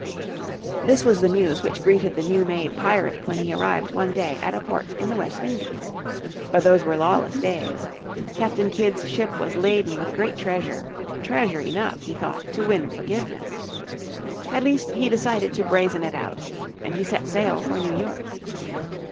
This was the news which greeted the new made pirate when he arrived one day at a port in the West Indies. But those were lawless days. Captain Kidd's ship was laden with great treasure treasure enough, he thought, to win forgiveness. At least he decided to brazen it out, and he set sail for New York.